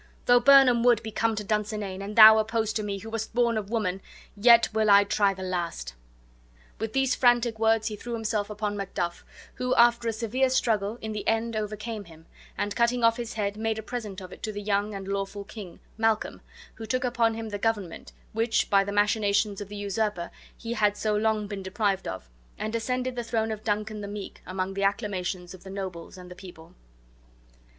Though Birnam wood be come to Dunsinane, and thou opposed to me, who wast born of woman, yet will I try the last." With these frantic words he threw himself upon Macduff, who, after a severe struggle, in the end overcame him, and, cutting off his head, made a present of it to the young and lawful king, Malcolm, who took upon him the government which, by the machinations of the usurper, he had so long been deprived of, and ascended the throne of Duncan the Meek among the acclamations of the nobles and the people.